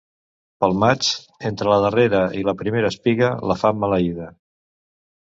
Pel maig, entre la darrera i la primera espiga, la fam maleïda.